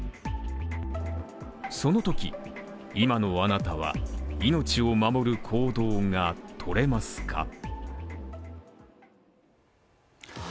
そのとき、今のあなたは命を守れる行動が取れますか？